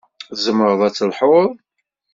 Tzemreḍ ad telḥuḍ?